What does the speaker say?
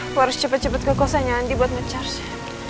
aku harus cepet cepet ke kosannya andi buat me charge